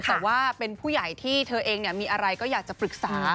แต่ว่าเป็นผู้ใหญ่ที่เธอเองมีอะไรก็อยากจะปรึกษา